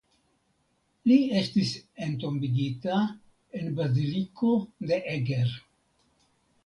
Li estis entombigita en Baziliko de Eger.